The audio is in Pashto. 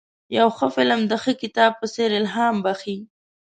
یو ښه فلم د یو ښه کتاب په څېر الهام بخښي.